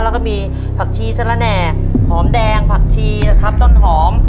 แล้วก็มีผักชีสละแหน่หอมแดงผักชีนะครับต้นหอม